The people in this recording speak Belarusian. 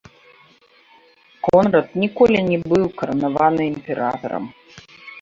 Конрад ніколі не быў каранаваны імператарам.